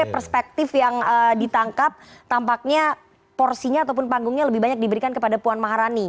perspektif yang ditangkap tampaknya porsinya ataupun panggungnya lebih banyak diberikan kepada puan maharani